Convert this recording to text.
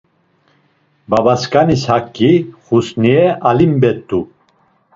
Babasǩanis Haǩi Xusniye alimbet̆u.